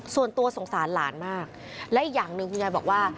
ส่วนตัวสงสารหลานมากและอีกอย่างหนึ่งคุณยายบอกว่า